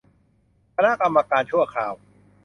คณะกรรมการชั่วคราว